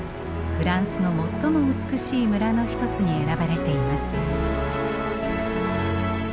フランスの最も美しい村の一つに選ばれています。